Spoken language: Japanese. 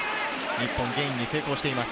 日本、ゲインに成功しています。